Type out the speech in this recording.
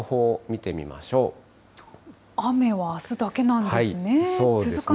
雨はあすだけなんですね。